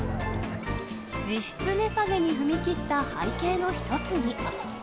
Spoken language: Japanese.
実質値下げに踏み切った背景の一つに。